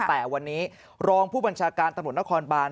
แต่วันนี้รองผู้บัญชาการตำรวจนครบาน